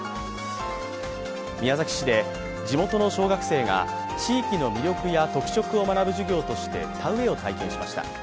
宮崎市で地元の小学生が地域の魅力や特色を学ぶ授業として田植えを体験しました。